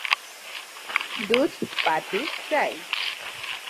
সুতরাং, শব্দটি, "দুধ পাটি চাই" আক্ষরিক অর্থ দুধ পাতার চা।